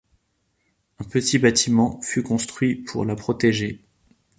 Un petit bâtiment fut construit pour la protéger.